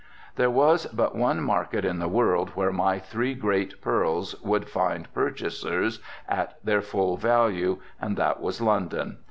There was but one market in the world where my three great pearls would find purchasers at their full value and that was London.